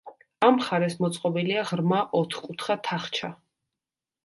ამ მხარეს მოწყობილია ღრმა ოთხკუთხა თახჩა.